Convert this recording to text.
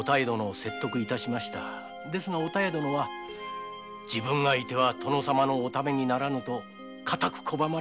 ですがお妙殿は「自分がいては殿様のためにならぬ」と拒まれ。